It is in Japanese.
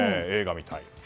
映画みたい。